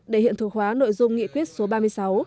để hiện thực hóa nội dung nghị quyết số ba mươi sáu